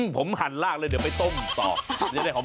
ผมหันลากเลยเดี๋ยวไปต้มต่อจะได้หอม